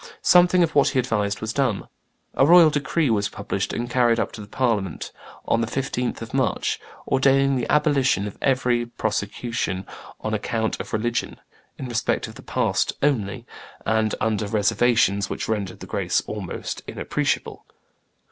Something of what he advised was done: a royal decree was published and carried up to the Parliament on the 15th of March, ordaining the abolition of every prosecution on account of religion, in respect of the past only, and under reservations which rendered the grace almost inappreciable.